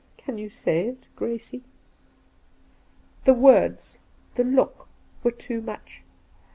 Can you say it, Grracie V The words, the look, were too much.